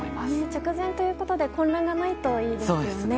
直前ということで混乱がないといいですよね。